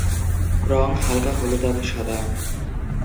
রং হালকা হলুদাভ সাদা।